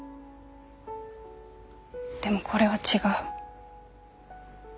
でもこれは違う。